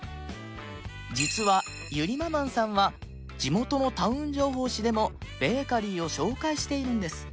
実はゆりママんさんは地元のタウン情報誌でもベーカリーを紹介しているんです